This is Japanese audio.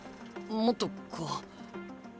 もっとこう。